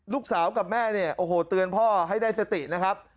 กับแม่เนี่ยโอ้โหเตือนพ่อให้ได้สตินะครับ